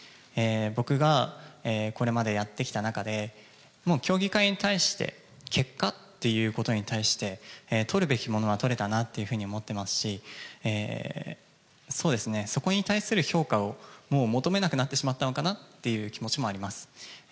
僕がこれまでやってきた中で、もう競技会に対して、結果っていうことに対して、とるべきものはとれたなっていうふうに思ってますし、そうですね、そこに対する評価をもう求めなくなってしまったのかなっていう気持ちもあります。